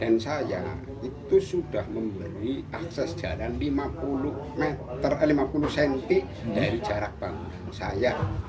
dan saya itu sudah memberi akses jalan lima puluh cm dari jarak bangunan saya